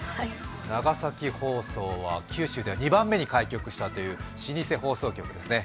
長崎放送は九州では２番目に開局したという老舗放送局ですね。